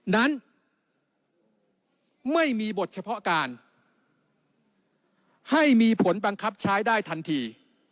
นั้นไม่มีบทเฉพาะการให้มีผลบังคับใช้ได้ทันที